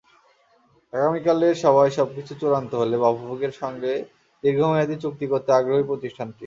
আগামীকালের সভায় সবকিছু চূড়ান্ত হলে বাফুফের সঙ্গে দীর্ঘমেয়াদি চুক্তি করতে আগ্রহী প্রতিষ্ঠানটি।